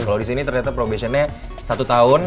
kalo disini ternyata probationnya satu tahun